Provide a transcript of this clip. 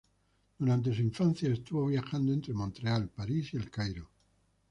Durante su infancia, estuvo viajando entre Montreal, París y El Cairo.